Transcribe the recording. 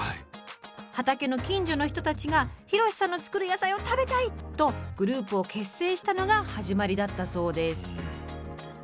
畑の近所の人たちが博四さんの作る野菜を食べたいとグループを結成したのが始まりだったそうです。